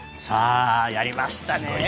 さあ、やりましたね。